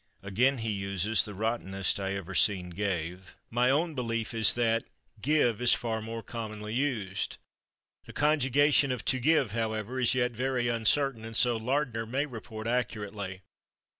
Again, he uses "the rottenest I ever seen /gave/"; my own belief is that /give/ is far more commonly used. The conjugation of /to give/, however, is yet very uncertain, and so Lardner may report accurately.